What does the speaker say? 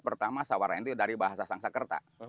pertama sewarna itu dari bahasa sang sakerta